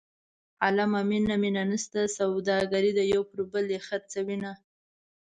عالمه مینه مینه نشته سوداګري ده یو پر بل یې خرڅوینه.